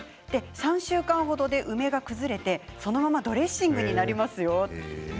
３週間程で梅が崩れて、そのままドレッシングになりますよ。